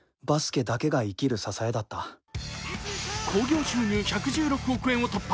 興行収入１１６億円を突破。